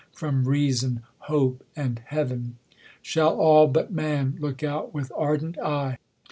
from reason, hope, and heaven ! Shall all, but man, look out with ardent eye.